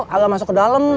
agak masuk ke dalam